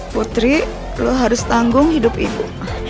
putri lo harus tanggung hidup ibu